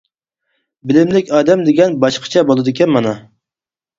بىلىملىك ئادەم دېگەن باشقىچە بولىدىكەن مانا.